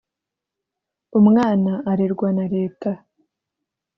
umwana arerwa na Leta